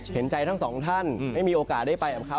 เห็นใจทั้งสองท่านไม่มีโอกาสได้ไปกับเขา